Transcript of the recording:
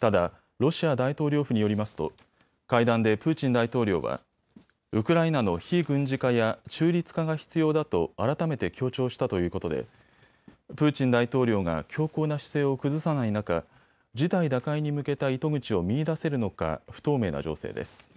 ただロシア大統領府によりますと会談でプーチン大統領はウクライナの非軍事化や中立化が必要だと改めて強調したということでプーチン大統領が強硬な姿勢を崩さない中、事態打開に向けた糸口を見いだせるのか不透明な情勢です。